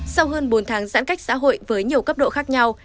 sau hơn bốn tháng giãn cách xã hội với nhiều cấp độ khác nhau